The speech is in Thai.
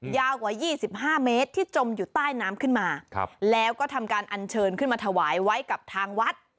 ยาวกว่า๒๕เมตรที่จมอยู่ใต้น้ำขึ้นมาแล้วก็ทำการอันเชิญขึ้นมาถวายไว้กับทางวัด